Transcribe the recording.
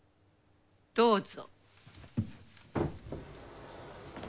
どうぞ。